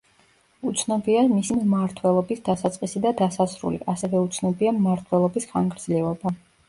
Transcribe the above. უცნობია მისი მმართველობის დასაწყისი და დასასრული, ასევე უცნობია მმართველობის ხანგრძლივობა.